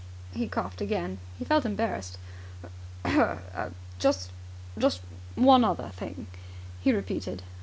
He coughed again. He felt embarrassed. "Just just one other thing," he repeated.